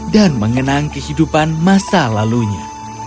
dan mengenang kehidupan masa lalunya